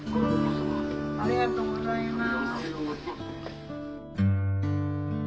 ありがとうございます。